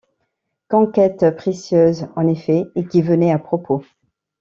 Conquête précieuse, en effet, et qui venait à propos.